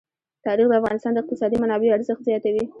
تاریخ د افغانستان د اقتصادي منابعو ارزښت زیاتوي.